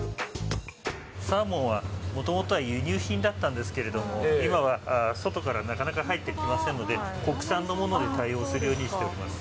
サーモンはもともとは輸入品だったんですけども、今は外からなかなか入ってきませんので、国産のもので対応するようにしております。